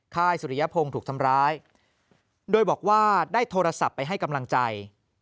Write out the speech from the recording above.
ค่ายสุริยพงศ์ถูกทำร้ายโดยบอกว่าได้โทรศัพท์ไปให้กำลังใจ